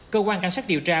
cơ quan cảnh sát điều tra